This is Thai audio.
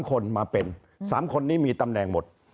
คนมาเป็น๓คนนี้มีตำแหน่งหมด